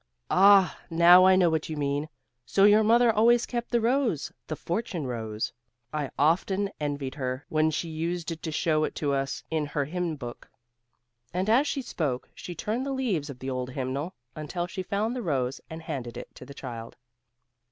"Ah! now I know what you mean. So your mother always kept the rose, the "Fortune rose?" I often envied her when she used to show it to us in her hymn book;" and as she spoke, she turned the leaves of the old hymnal, until she found the rose and handed it to the child.